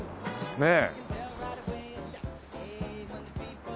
ねえ。